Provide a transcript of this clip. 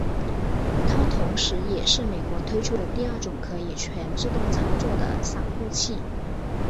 它同时也是美国推出的第二种可以全自动操作的洒布器。